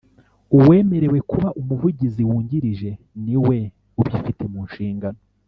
Uwemerewe kuba Umuvugizi Wungirije ni we ubifite munshingano